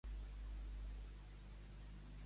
Déu li sigui en bona ajuda.